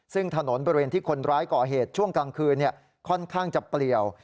ซึ่งถนนบริเวณที่คนร้ายก่อเหตุช่วงกลางคืนค่อนข้างจะเปลี่ยว